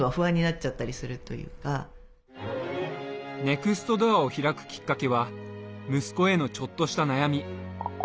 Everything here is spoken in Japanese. ネクストドアを開くきっかけは息子へのちょっとした悩み。